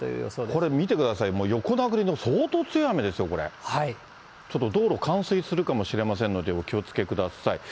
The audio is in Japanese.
これ、見てください、横殴りの、相当強いですよ、ちょっと道路冠水するかもしれませんので、お気をつけください。